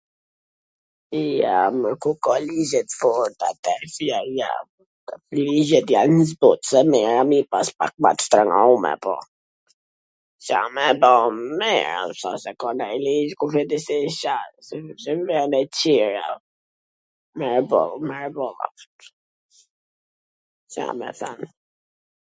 jo mor ku ka ligje t forta tashti a jo? Ligjet jan zbut se mir a me i pas pak ma t shtrwngume, po Ca me bo, mir asht se ka nonj ligj qi kushedi si .. me tjera me e bo, me e bo Ca me than ?